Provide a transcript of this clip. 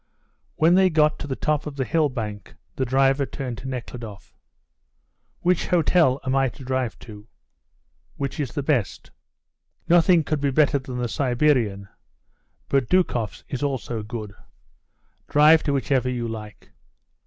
When they got to the top of the hill bank the driver turned to Nekhludoff. "Which hotel am I to drive to?" "Which is the best?" "Nothing could be better than the Siberian, but Dukeoff's is also good." "Drive to whichever you like."